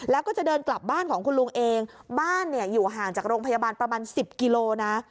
แล้วก็จะเดินกลับบ้านของคุณลุงเองบ้านเนี่ยอยู่ห่างจากโรงพยาบาลประมาณ๑๐กิโลนะ